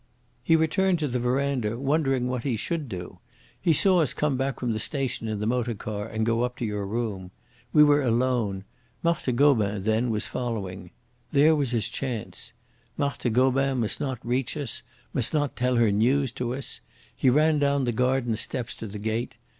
"He returned to the verandah wondering what he should do. He saw us come back from the station in the motor car and go up to your room. We were alone. Marthe Gobin, then, was following. There was his chance. Marthe Gobin must not reach us, must not tell her news to us. He ran down the garden steps to the gate.